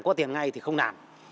có tiền ngay thì không làm